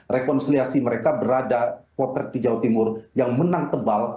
rekonsiliasi mereka berada potret di jawa timur yang menang tebal